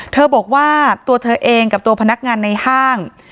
เธอบอกว่าตัวเธอเองกับตัวพนักงานในห้าง